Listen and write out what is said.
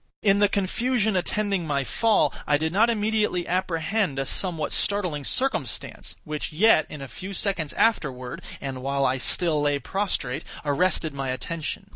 In the confusion attending my fall, I did not immediately apprehend a somewhat startling circumstance, which yet, in a few seconds afterward, and while I still lay prostrate, arrested my attention.